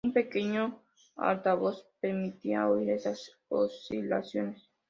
Un pequeño altavoz permitía oír estas oscilaciones.